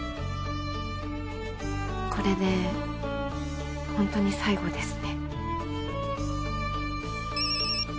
これでホントに最後ですね。